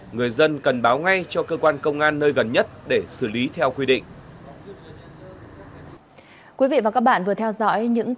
người dân cần báo ngay cho cơ quan công an nơi gần nhất để xử lý theo quy định